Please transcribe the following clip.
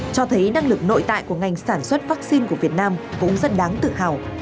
cho thấy năng lực nội tại của ngành sản xuất vaccine của việt nam cũng rất đáng tự hào